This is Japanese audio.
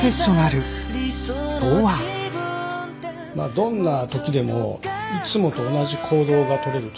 どんな時でもいつもと同じ行動がとれると。